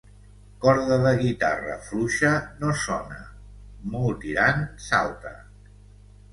Corda de guitarra fluixa, no sona; molt tirant, salta.